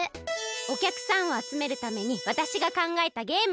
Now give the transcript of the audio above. おきゃくさんをあつめるためにわたしがかんがえたゲーム。